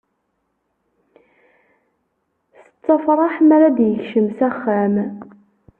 Tettafraḥ mi ara d-yekcem s axxam.